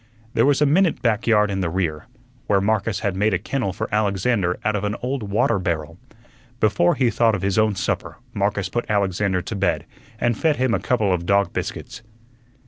There was a minute back yard in the rear, where Marcus had made a kennel for Alexander out of an old water barrel. Before he thought of his own supper Marcus put Alexander to bed and fed him a couple of dog biscuits.